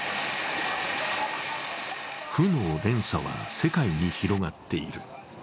負の連鎖は世界に広がっている。